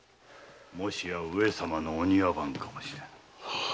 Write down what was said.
もしや上様のお庭番かもしれぬ。